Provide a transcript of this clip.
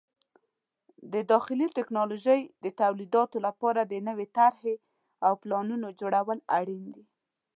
د داخلي ټکنالوژۍ د تولیداتو لپاره د نوې طرحې او پلانونو جوړول اړین دي.